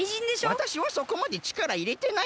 わたしはそこまでちからいれてないよ。